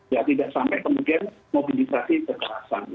ya tidak sampai kemudian mobilisasi kekerasan